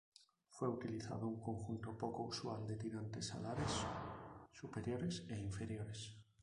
Fue utilizado un conjunto poco usual de tirantes alares superiores e inferiores.